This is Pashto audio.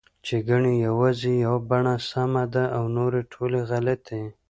چې ګنې یوازې یوه بڼه سمه ده او نورې ټولې غلطې